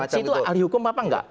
di situ ahli hukum apa nggak